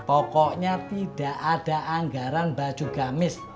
pokoknya tidak ada anggaran baju gamis